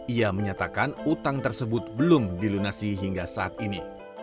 ia menyatakan utang tersebut belum dilunasi hingga saat ini